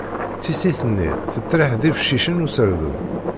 Tissit-nni tettriḥ d ibeccicen userdun.